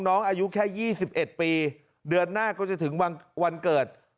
อายุแค่๒๑ปีเดือนหน้าก็จะถึงวันเกิด